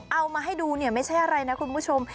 เอามาให้ดูเนี่ยไม่ใช่อะไรนะคุณผู้ชม